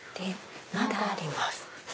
まだあります。